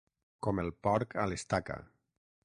Com el porc a l'estaca.